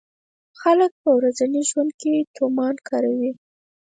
خلک په ورځني ژوند کې تومان کاروي.